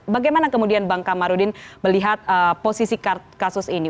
bagaimana kemudian bang kamarudin melihat posisi kasus ini